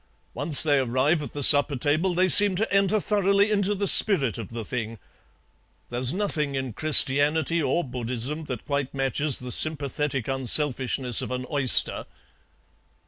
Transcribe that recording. Once they arrive at the supper table they seem to enter thoroughly into the spirit of the thing. There's nothing in Christianity or Buddhism that quite matches the sympathetic unselfishness of an oyster.